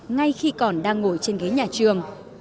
ngay khi còn đang ngồi trên ghế nhà trường